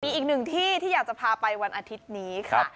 อีกหนึ่งที่ที่อยากจะพาไปวันอาทิตย์นี้ค่ะ